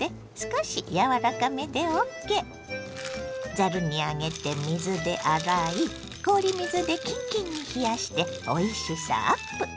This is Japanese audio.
ざるに上げて水で洗い氷水でキンキンに冷やしておいしさアップ。